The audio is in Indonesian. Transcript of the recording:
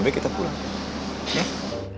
ya udah kita pulang ya